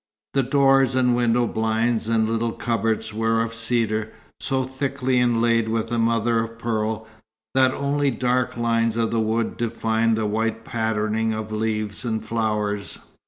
The doors and window blinds and little cupboards were of cedar, so thickly inlaid with mother o' pearl, that only dark lines of the wood defined the white patterning of leaves and flowers.